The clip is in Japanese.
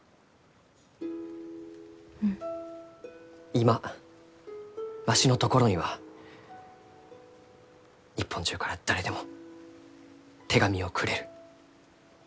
今わしのところには日本中から誰でも手紙をくれる。